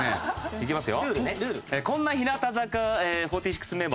いきますよ。